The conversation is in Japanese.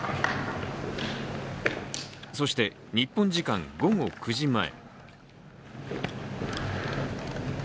そして、日本時間午後９時前。